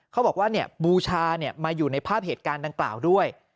เขาบอกว่าเนี่ยบูชาเนี่ยมาอยู่ในภาพเหตุการณ์ดังเปล่าด้วย